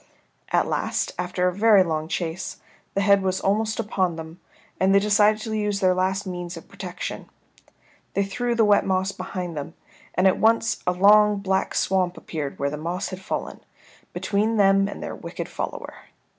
At last, after a very long chase, the head was almost upon them, and they decided to use their last means of protection. They threw the wet moss behind them, and at once a long black swamp appeared where the moss had fallen, between them and their wicked follower.